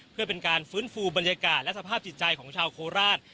เพื่อเป็นการฟื้นฟูบรรยากาศและสภาพจิตใจของชาวโคราช